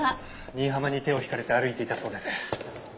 新浜に手を引かれて歩いていたそうです。